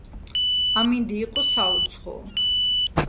ამინდი იყო საუცხოო.